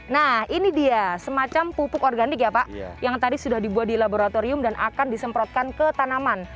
nah ini dia semacam pupuk organik ya pak yang tadi sudah dibuat di laboratorium dan akan disemprotkan ke tanaman